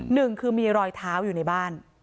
หนึ่งคือมีรอยเท้าอยู่ในบ้าน